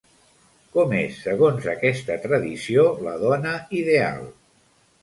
Com és, segons aquesta tradició, la dona ideal?